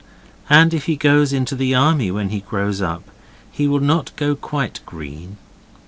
And if he goes into the army when he grows up, he will not go quite green.